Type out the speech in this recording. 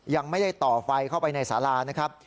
ยังไม่ได้ต่อไฟเข้าไปในสารานะครับ